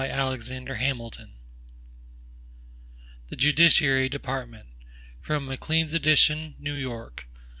FEDERALIST No. 78 The Judiciary Department From McLEAN'S Edition, New York.